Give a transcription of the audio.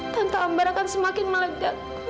tante ambar akan semakin melepaskan